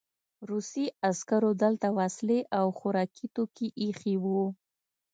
روسي عسکرو دلته وسلې او خوراکي توکي ایښي وو